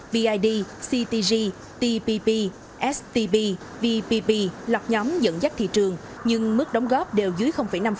bid ctg tpp stb vpp lọc nhóm dẫn dắt thị trường nhưng mức đóng góp đều dưới năm